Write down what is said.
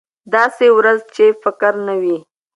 داسې ورځ چې فقر نه وي.